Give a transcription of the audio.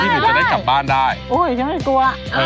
แล้วพวกพี่หนูจะได้กลับบ้านได้โอ้โฮยังไม่กลัว